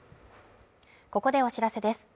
ここでお知らせです。